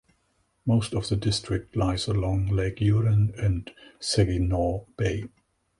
Most of the district lies along Lake Huron and Saginaw Bay.